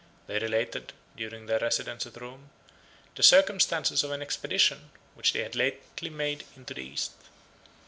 They related, during their residence at Rome, the circumstances of an expedition, which they had lately made into the East.